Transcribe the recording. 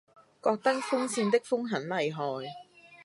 覺得風扇的風很厲害